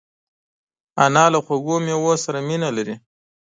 انا له خوږو مېوو سره مینه لري